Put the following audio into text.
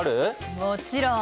もちろん！